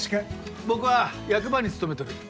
僕は役場に勤めとる森野洋輔。